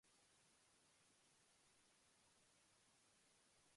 First you should wash your hands and then you can have an apple.